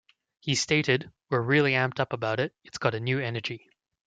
He stated, We're really amped-up about it, it's got a new energy.